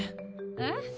えっ？